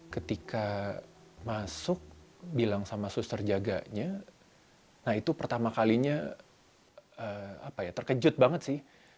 ketika masuk bilang sama suster jaganya nah itu pertama kalinya terkejut banget sih